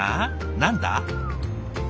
何だ？